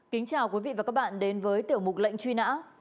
kính chào quý vị và các bạn đến với tiểu mục lệnh truy nã